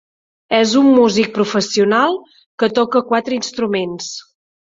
És un músic professional, que toca quatre instruments.